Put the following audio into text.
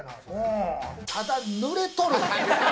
ただ濡れとる。